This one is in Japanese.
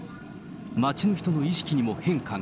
街の人の意識にも変化が。